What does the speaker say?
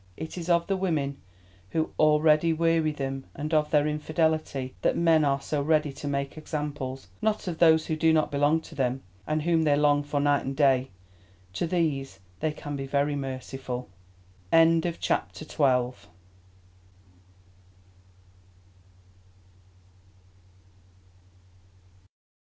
It is of the women who already weary them and of their infidelity that men are so ready to make examples, not of those who do not belong to them, and whom they long for night and day. To these they can be very merciful. CHAPTER XIII.